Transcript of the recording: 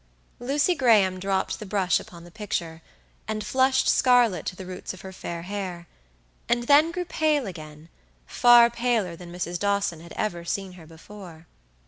Lucy Graham dropped the brush upon the picture, and flushed scarlet to the roots of her fair hair; and then grew pale again, far paler than Mrs. Dawson had ever seen her before.